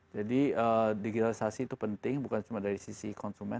jadi digitalisasi itu penting bukan cuma dari sisi konsumen